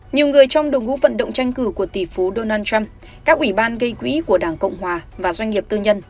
nhiều người trong đồng ngũ vận động tranh cử của tỷ phú donald trump các ủy ban gây quỹ của đảng cộng hòa và doanh nghiệp tư nhân